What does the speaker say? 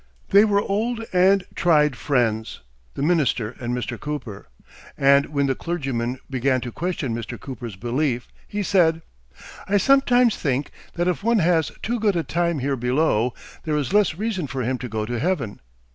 They were old and tried friends, the minister and Mr. Cooper, and when the clergyman began to question Mr. Cooper's belief, he said: 'I sometimes think that if one has too good a time here below, there is less reason for him to go to heaven.